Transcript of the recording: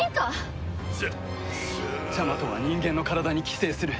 ジャマトは人間の体に寄生する。